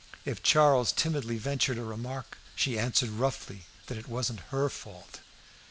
If Charles timidly ventured a remark, she answered roughly that it wasn't her fault.